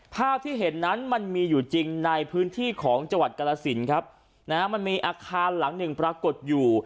ภาพที่เห็นนั้นมันมีอยู่จริงในพื้นที่ของจังหวัดกรสินครับนะฮะมันมีอาคารหลังหนึ่งปรากฏอยู่